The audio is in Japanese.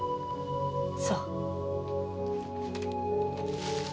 そう。